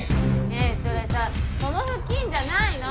ねえそれさその布巾じゃないの！